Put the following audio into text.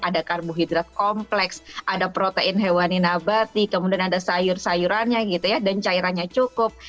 ada karbohidrat kompleks ada protein hewani nabati kemudian ada sayur sayurannya gitu ya dan cairannya cukup